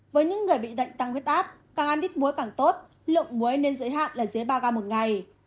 với những người bị đệnh tăng huyết áp càng ăn ít muối càng tốt lượng muối nên giới hạn là dưới ba găm mỗi ngày